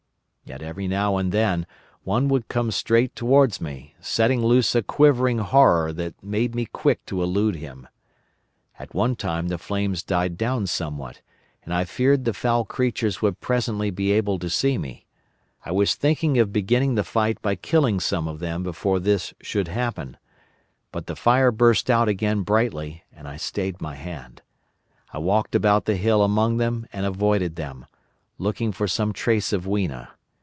"Yet every now and then one would come straight towards me, setting loose a quivering horror that made me quick to elude him. At one time the flames died down somewhat, and I feared the foul creatures would presently be able to see me. I was thinking of beginning the fight by killing some of them before this should happen; but the fire burst out again brightly, and I stayed my hand. I walked about the hill among them and avoided them, looking for some trace of Weena.